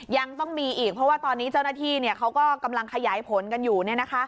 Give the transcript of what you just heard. ยังต้องมีอีกเพราะว่าตอนนี้เจ้าหน้าที่เขาก็กำลังขยายผลกันอยู่